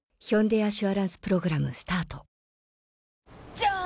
じゃーん！